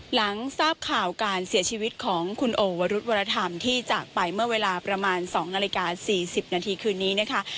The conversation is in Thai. หลังทราบข่าวการเสียชีวิตของคุณโอวรุธวรธรรมที่จากไปเมื่อเวลาประมาณ๒นาฬิกา๔๐นาทีคืนนี้นะคะ